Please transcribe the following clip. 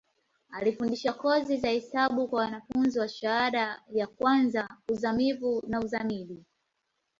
Alifundisha kozi za hesabu kwa wanafunzi wa shahada ka kwanza, uzamivu na uzamili.